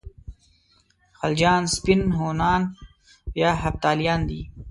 خلجیان سپین هونان یا هفتالیان دي.